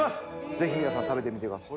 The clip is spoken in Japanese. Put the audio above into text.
ぜひ皆さん食べてみてください